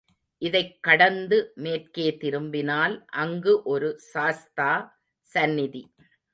இதைக் கடந்து மேற்கே திரும்பினால் அங்கு ஒரு சாஸ்தா சந்நிதி.